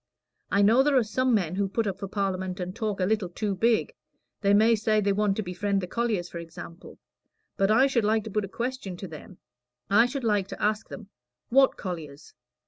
I know there are some men who put up for Parliament and talk a little too big. They may say they want to befriend the colliers, for example. But I should like to put a question to them. I should like to ask them, 'What colliers?'